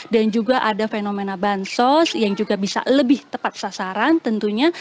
dan juga ada fenomena bansos yang juga bisa lebih tepat sasaran tentunya